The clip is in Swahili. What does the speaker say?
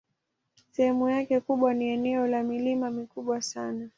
Sehemu yake kubwa ni eneo la milima mikubwa sana.